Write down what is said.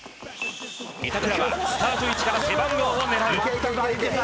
板倉はスタート位置から背番号を狙う。